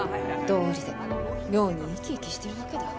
どうりで妙に生き生きしてるわけだ。